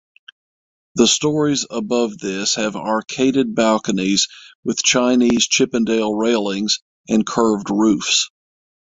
The storeys above this have arcaded balconies with Chinese Chippendale railings and curved roofs.